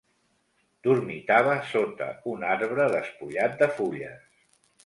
Dormitava sota un arbre despullat de fulles